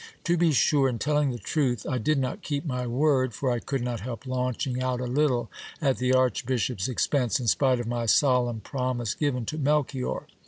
To be sure, in telling the truth, I did not keep my word, for I could not help launching out a little at the archbishop's expense, in spite of my solemn promise given to Melchior.